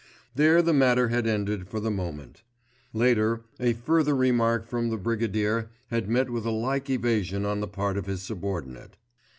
There the matter had ended for the moment. Later a further remark from the Brigadier had met with a like evasion on the part of his subordinate.